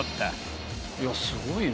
いやすごいな。